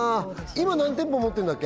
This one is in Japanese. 今何店舗持ってるんだっけ？